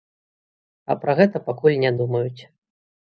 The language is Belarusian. А пра гэта пакуль не думаюць.